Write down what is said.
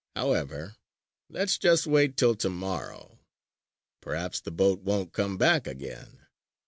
However let's just wait till tomorrow. Perhaps the boat won't come back again.